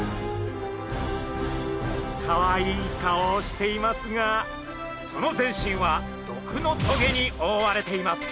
かわいい顔をしていますがその全身は毒の棘におおわれています。